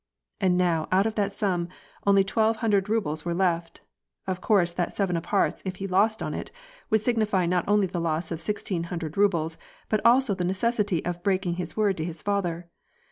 And now out of that sum, only twelve hundred rubles were left. Of course that seven of hearts if he lost on it, would signify not only the loss of sixteen hundred rubles, but also the necessity of breaking his word to his father.